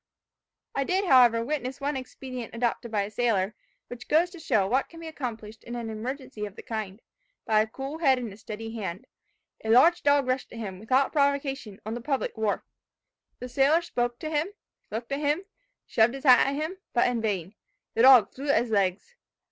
"I did, however, witness one expedient adopted by a sailor, which goes to show what can be accomplished in an emergency of the kind, by a cool head and a steady hand. A large dog rushed at him, without provocation, on the public wharf. The sailor spoke to him, looked at him, shoved his hat at him, but in vain. The dog flew at his legs.